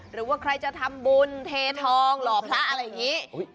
หรือว่าใครจะทำบุญเททองหล่อพระอะไรอย่างนี้